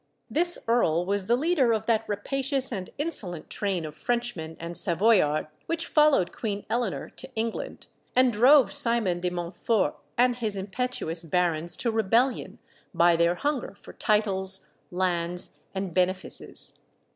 This earl was the leader of that rapacious and insolent train of Frenchmen and Savoyards which followed Queen Eleanor to England, and drove Simon de Montfort and his impetuous barons to rebellion by their hunger for titles, lands, and benefices.